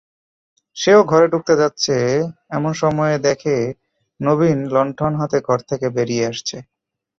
সেও ঘরে ঢুকতে যাচ্ছে এমন সময়ে দেখে নবীন লণ্ঠন হাতে ঘর থেকে বেরিয়ে আসছে।